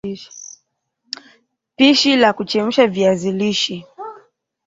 Pishi la Kuchemsha viazi lishe